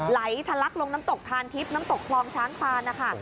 ไหลทะลักลงน้ำตกทานทิพย์น้ำตกคลองช้างพานนะคะ